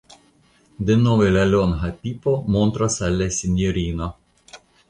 Denove la longa pipo montras al la sinjorino.